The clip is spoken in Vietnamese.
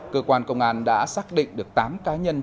cơ quan công an đã xác định được tám cá nhân